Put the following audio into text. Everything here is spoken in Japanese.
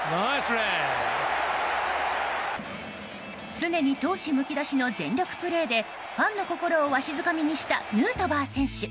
常に闘志むき出しの全力プレーでファンの心をわしづかみにしたヌートバー選手。